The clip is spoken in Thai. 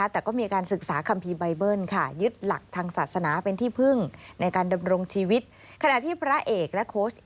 แต่ก็มีการศึกษาคัมภีร์ไบเบิล